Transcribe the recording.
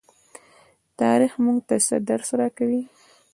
تاریخ موږ ته څه درس راکوي؟